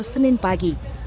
di senin pagi